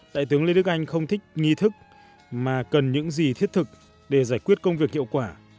đại tướng lê đức anh không thích nghi thức mà cần những gì thiết thực để giải quyết công việc hiệu quả